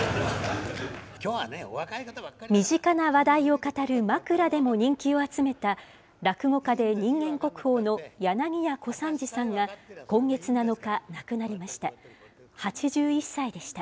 身近な話題を語るまくらでも人気を集めた、落語家で人間国宝の柳家小三治さんが今月７日、亡くなりました。